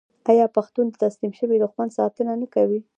آیا پښتون د تسلیم شوي دښمن ساتنه نه کوي؟